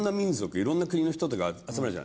いろんな国の人とか集まるじゃないですか。